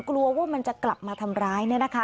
กลัวว่ามันจะกลับมาทำร้าย